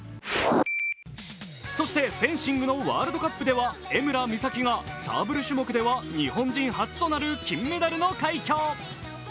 そしてフェンシングのワールドカップでは江村美咲がサーブル種目では日本人初となる金メダルの快挙。